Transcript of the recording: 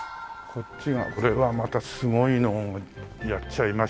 これはまたすごいのやっちゃいましたね。